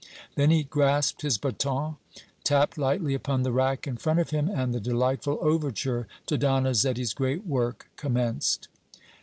Then he grasped his bâton, tapped lightly upon the rack in front of him, and the delightful overture to Donizetti's great work commenced.